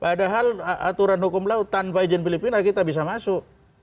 padahal aturan hukum laut tanpa izin filipina kita bisa masuk